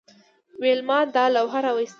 ویلما دا لوحه راویستله